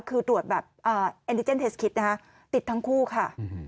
คือตรวจแบบเอ็นดิเจนเทสคิดนะคะติดทั้งคู่ค่ะ